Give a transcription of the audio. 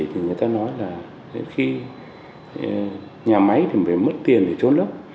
thì người ta nói là khi nhà máy thì phải mất tiền để trôn lớp